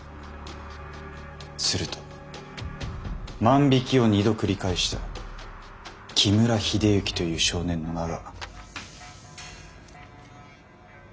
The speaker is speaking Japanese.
すると万引きを２度繰り返した木村英之という少年の名が。